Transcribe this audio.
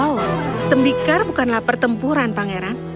oh tembikar bukanlah pertempuran pangeran